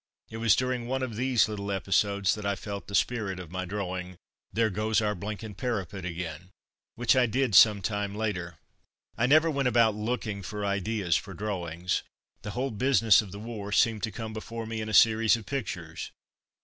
It was during one of these little episodes that I felt the spirit of my drawing, "There goes our blinking parapet again," which I did sometime later. I never went about looking for ideas for drawings; the whole business of the war seemed to come before me in a series of pictures.